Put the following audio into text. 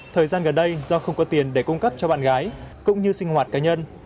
thời gian gần đây do không có tiền để cung cấp cho bạn gái cũng như sinh hoạt cá nhân